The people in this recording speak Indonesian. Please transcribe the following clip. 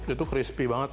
itu crispy banget ya tuh